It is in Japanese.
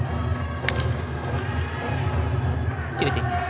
切れていきます。